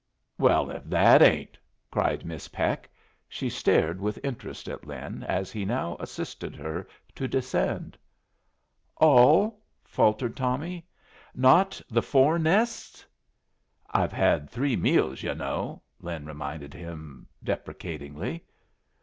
"Well, if that ain't!" cried Miss Peck. She stared with interest at Lin as he now assisted her to descend. "All?" faltered Tommy. "Not the four nests?" "I've had three meals, yu' know," Lin reminded him, deprecatingly.